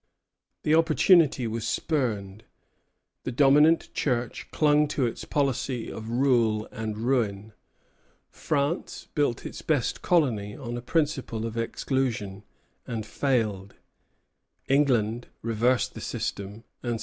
The opportunity was spurned. The dominant Church clung to its policy of rule and ruin. France built its best colony on a principle of exclusion, and failed; England reversed the system, and succeeded.